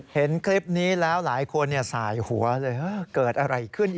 เห็นคลิปนี้แล้วหลายคนสายหัวเลยเกิดอะไรขึ้น